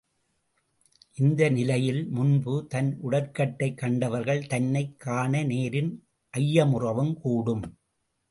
இந்த நிலையில் முன்பு தன் உடற்கட்டைக் கண்டவர்கள் தன்னைக் காண நேரின் ஐயமுறவும் கூடும்.